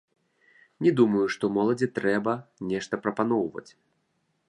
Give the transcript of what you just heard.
Не думаю, што моладзі трэба нешта прапаноўваць.